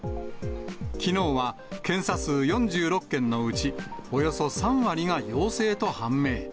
きのうは検査数４６件のうち、およそ３割が陽性と判明。